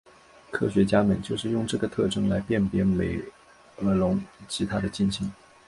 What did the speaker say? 科学家们就是用这个特征来辨别美颌龙及它的近亲。